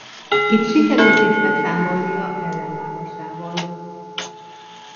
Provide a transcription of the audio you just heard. Itt sikerült is leszámolnia ellenlábasával.